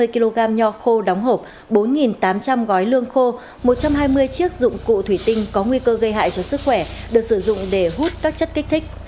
ba mươi kg nho khô đóng hộp bốn tám trăm linh gói lương khô một trăm hai mươi chiếc dụng cụ thủy tinh có nguy cơ gây hại cho sức khỏe được sử dụng để hút các chất kích thích